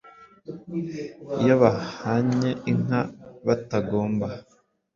iyo bahanye inka batagomba